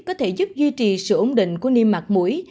có thể giúp duy trì sự ổn định của niêm mặt mũi